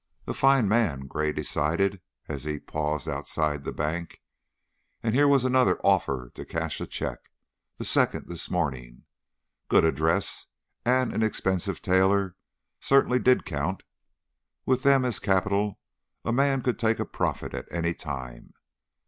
A fine man, Gray decided as he paused outside the bank. And here was another offer to cash a check the second this morning. Good address and an expensive tailor certainly did count: with them as capital, a man could take a profit at any time.